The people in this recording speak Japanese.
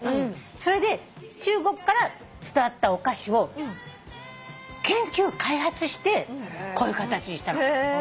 それで中国から伝わったお菓子を研究開発してこういう形にしたの。